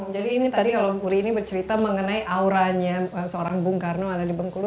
jadi ini tadi kalau uri ini bercerita mengenai auranya seorang bung karno ada di bung karno